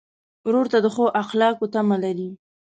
ورور ته د ښو اخلاقو تمه لرې.